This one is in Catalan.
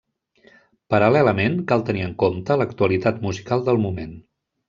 Paral·lelament cal tenir en compte l'actualitat musical del moment.